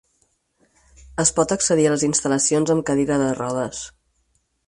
Es pot accedir a les instal·lacions amb cadira de rodes.